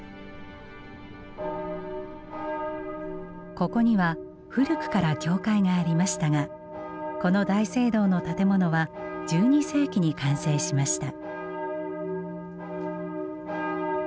ここには古くから教会がありましたがこの大聖堂の建物は１２世紀に完成しました。